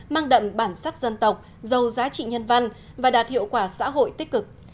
mang đậm bản sắc dân tộc giàu giá trị nhân văn và đạt hiệu quả xã hội tích cực